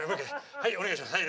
はいお願いしますはい」。